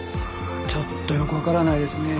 ちょっとよくわからないですね。